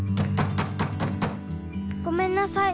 ごめんなさい。